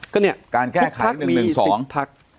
ก็เนี่ยพวกภัคดิ์มีสิทธิ์ผลัก